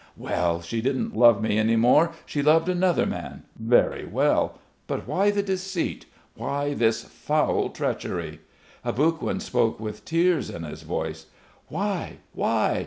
"Well, she didn't love me any more. She loved another man. Very well. But why the deceit, why this foul treachery?" Aboguin spoke with tears in his voice. "Why, why?